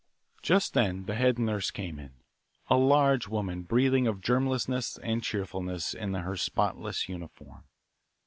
Just then the head nurse came in, a large woman breathing of germlessness and cheerfulness in her spotless uniform.